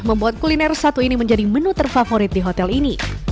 membuat kuliner satu ini menjadi menu terfavorit di hotel ini